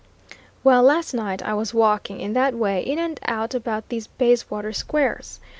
Well, last night I was walking, in that way, in and out about these Bayswater squares.